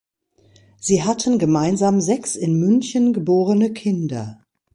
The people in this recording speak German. Sie hatten gemeinsam sechs in München geborene Kinder.